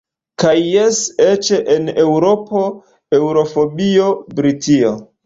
Kaj jes – eĉ en eŭropo-, eŭro-fobia Britio.